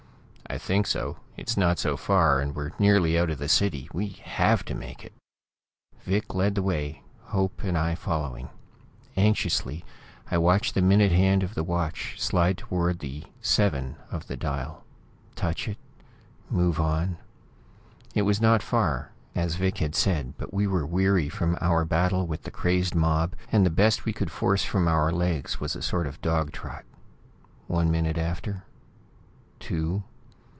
"I think so. It's not so far, and we're nearly out of the city. We have to make it!" Vic led the way, Hope and I following. Anxiously, I watched the minute hand of the watch slide toward the "XII" of the dial ... touch it ... move on.... It was not far, as Vic had said, but we were weary from our battle with the crazed mob, and the best we could force from our legs was a sort of dog trot. One minute after ... two....